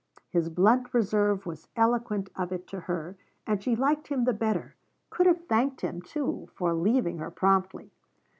His blunt reserve was eloquent of it to her, and she liked him the better; could have thanked him, too, for leaving her promptly.